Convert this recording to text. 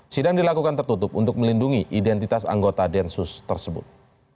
sidang dilakukan tertutup untuk melindungi identitas anggota densus tersebut